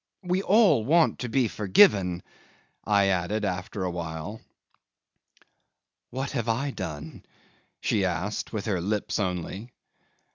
"We all want to be forgiven," I added after a while. '"What have I done?" she asked with her lips only.